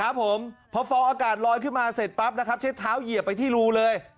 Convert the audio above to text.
ครับผมพอฟองอากาศลอยขึ้นมาเสร็จปั๊บนะครับใช้เท้าเหยียบไปที่รูเลย